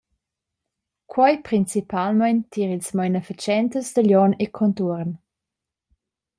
Quei principalmein tier ils meinafatschentas da Glion e contuorn.